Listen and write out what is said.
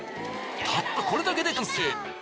たったこれだけで完成。